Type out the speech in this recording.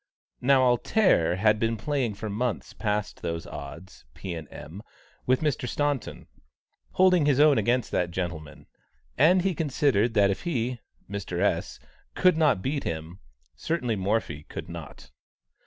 Now "Alter" had been playing for months past at those odds (P. & M.) with Mr. Staunton, holding his own against that gentleman, and he considered that if he (Mr. S.) could not beat him, certainly Morphy could not.